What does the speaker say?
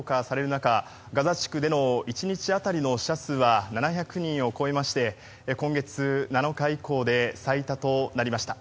中ガザ地区での１日当たりの死者数は７００人を超えまして今月７日以降で最多となりました。